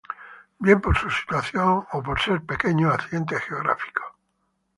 Bien por su situación o por ser pequeños accidentes geográficos.